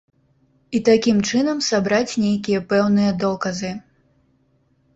І такім чынам сабраць нейкія пэўныя доказы.